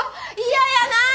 嫌やなあ。